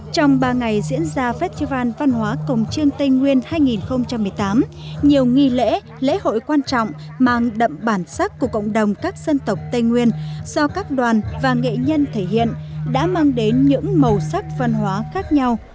trong ba ngày diễn ra festival văn hóa cổng trương tây nguyên hai nghìn một mươi tám nhiều nghi lễ lễ hội quan trọng mang đậm bản sắc của cộng đồng các dân tộc tây nguyên do các đoàn và nghệ nhân thể hiện đã mang đến những màu sắc văn hóa khác nhau